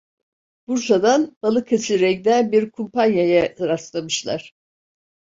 Bursa'dan Balıkesir'e giden bir kumpanyaya rastlamışlar.